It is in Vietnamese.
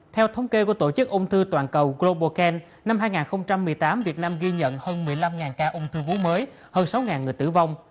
theo thống kê của tổ chức ung thư toàn cầu global can năm hai nghìn một mươi tám việt nam ghi nhận hơn một mươi năm ca ung thư vú mới hơn sáu người tử vong